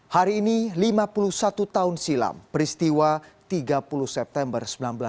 hari ini lima puluh satu tahun silam peristiwa tiga puluh september seribu sembilan ratus empat puluh